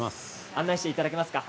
案内していただけますか？